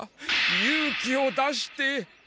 勇気を出して。